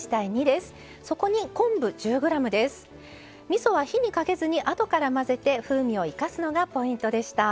みそは火にかけずにあとから混ぜて風味を生かすのがポイントでした。